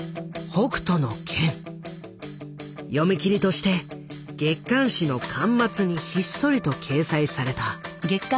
読み切りとして月刊誌の巻末にひっそりと掲載された。